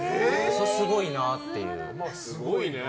すごいなっていう。